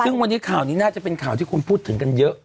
เฮียแน่ยังดังนี้น่าจะเป็นข่าวอยู่ที่คุณพูดถึงกันเยอะ